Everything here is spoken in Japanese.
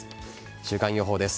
週間予報です。